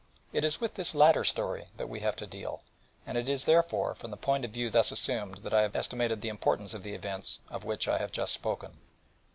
It is with this latter story that we have to deal, and it is, therefore, from the point of view thus assumed that I have estimated the importance of the events of which I have just spoken.